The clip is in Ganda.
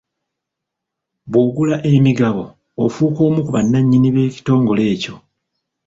Bw'ogula emigabo ofuuka omu ku bannannyini b'ekitongole ekyo.